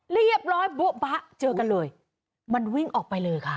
เรียบร้อยโบ๊ะบะเจอกันเลยมันวิ่งออกไปเลยค่ะ